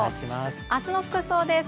明日の服装です。